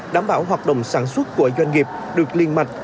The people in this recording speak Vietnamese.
đảm bảo hoạt động sản xuất của doanh nghiệp được liên mạch